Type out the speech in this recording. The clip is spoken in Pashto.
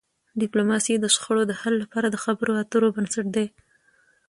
ډيپلوماسي د شخړو د حل لپاره د خبرو اترو بنسټ دی.